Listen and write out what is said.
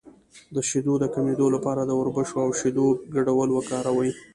د شیدو د کمیدو لپاره د وربشو او شیدو ګډول وکاروئ